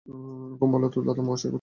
এখন বল তো দাদা মহাশয় কোথায় আছেন।